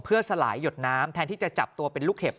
เพื่อสลายหยดน้ำแทนที่จะจับตัวเป็นลูกเห็บ